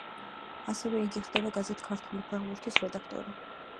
ასევე იგი ხდება გაზეთ „ქართული ფეხბურთის“ რედაქტორი.